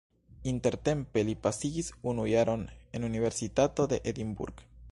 Intertempe li pasigis unu jaron en Universitato de Edinburgh.